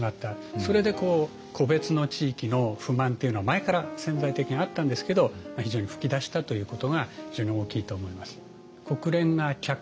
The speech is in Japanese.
それで個別の地域の不満っていうのは前から潜在的にあったんですけど非常に噴き出したということが非常に大きいと思います。